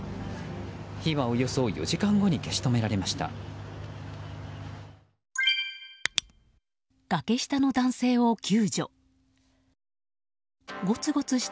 火はおよそ４時間後に消し止められました。